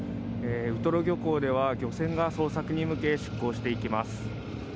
ウトロ漁港では漁船が捜索に向け出港していきます。